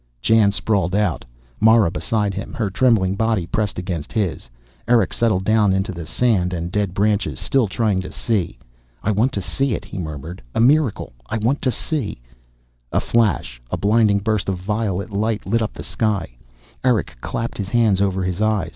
Jan sprawled out, Mara beside him, her trembling body pressed against his. Erick settled down into the sand and dead branches, still trying to see. "I want to see it," he murmured. "A miracle. I want to see " A flash, a blinding burst of violet light, lit up the sky. Erick clapped his hands over his eyes.